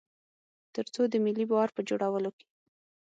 تر څو د ملي باور په جوړولو کې.